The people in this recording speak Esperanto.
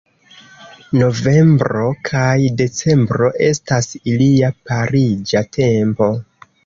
Novembro kaj decembro estas ilia pariĝa tempo.